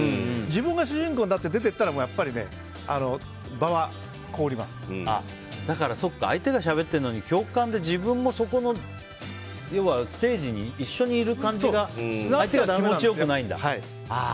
自分が主人公になって出て行くとやっぱりだからそっか相手がしゃべってるのに自分もそこのステージに一緒にいる感じが相手が気持ち良くないんだ。